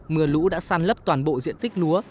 mưa lũ đã săn lấp toàn bộ diện tích lúa